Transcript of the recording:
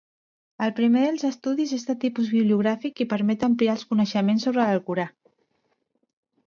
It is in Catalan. El primer dels estudis és de tipus bibliogràfic i permet ampliar els coneixements sobre l'Alcorà.